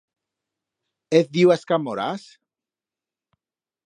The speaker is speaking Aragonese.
Hez diu a escar moras.